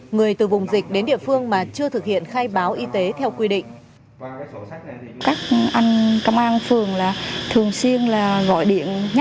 người từ vùng dịch đến địa phương mà chưa thực hiện khai báo y tế theo quy định